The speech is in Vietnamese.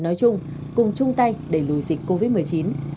nói chung cùng chung tay đẩy lùi dịch covid một mươi chín